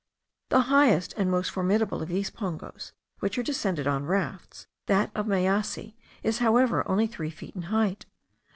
The highest and most formidable of these pongos, which are descended on rafts, that of Mayasi, is however only three feet in height.